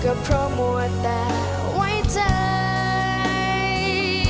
ก็พร้อมว่าแต่ไว้ใจ